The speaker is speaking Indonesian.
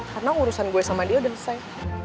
karena urusan gue sama dia udah selesai